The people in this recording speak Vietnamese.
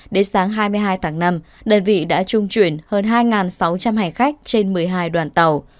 đến sáng hai mươi hai tháng năm đơn vị đã trung chuyển hơn hai sáu trăm linh hành khách trên một mươi hai đoàn tàu